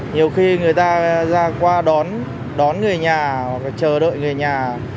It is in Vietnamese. nhiều khi người ta ra qua đón người nhà chờ đợi người nhà